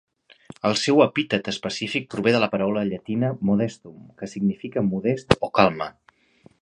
El seu epítet específic prové de la paraula llatina "modestum", que significa modest o calma.